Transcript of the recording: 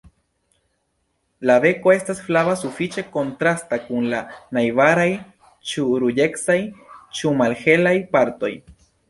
La beko estas flava sufiĉe kontrasta kun la najbaraj ĉu ruĝecaj ĉu malhelaj partoj.